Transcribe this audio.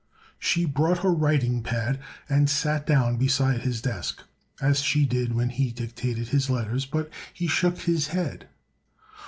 She brought her writing pad and sat down beside his desk, as she did when he dictated his letters; but he shook his head.